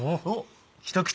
一口。